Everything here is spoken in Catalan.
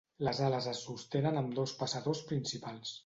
Les ales es sostenen amb dos passadors principals.